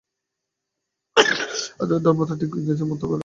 আর ওঁদের ধর্মটা ঠিক ইংরেজদের ধর্মের মত।